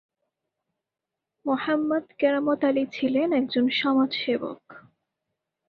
মোহাম্মদ কেরামত আলী ছিলেন একজন সমাজ সেবক।